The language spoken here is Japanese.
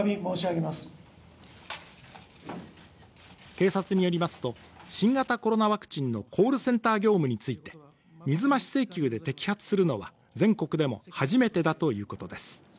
警察によりますと、新型コロナウイルスワクチンのコールセンター業務について水増し請求で摘発するのは全国でも初めてだということです。